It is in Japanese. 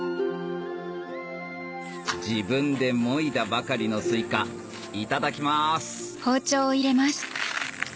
自分でもいだばかりのスイカいただきます